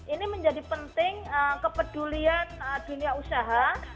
ini menjadi penting kepedulian dunia usaha